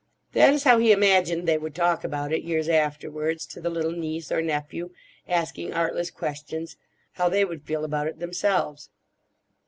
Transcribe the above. That is how he imagined they would talk about it, years afterwards, to the little niece or nephew, asking artless questions—how they would feel about it themselves.